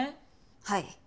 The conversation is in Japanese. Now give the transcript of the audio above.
はい。